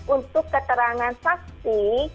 untuk keterangan saksi